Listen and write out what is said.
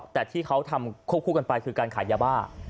แต่ที่เขาทำควบคู่กันไปคือการขายยาบ้า